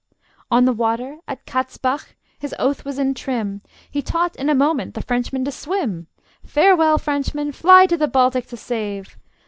On the water, at Katzbach, his oath was in trim: He taught in a moment the Frenchmen to swim. Farewell, Frenchmen; fly to the Baltic to save!